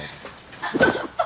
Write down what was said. あとちょっと！